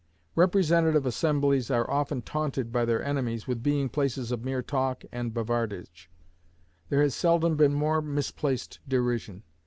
Representative assemblies are often taunted by their enemies with being places of mere talk and bavardage. There has seldom been more misplaced derision.